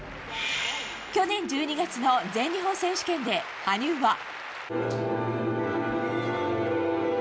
去年１２月の全日本選手権で羽生は。